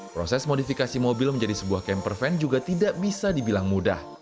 proses modifikasi mobil menjadi sebuah camper van juga tidak bisa dibilang mudah